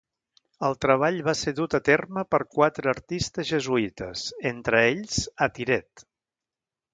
El treball va ser dut a terme per quatre artistes jesuïtes, entre ells Attiret.